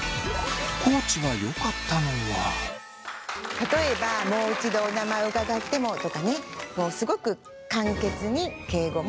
例えば「もう一度お名前を伺っても」とかねすごく簡潔に敬語もよかった。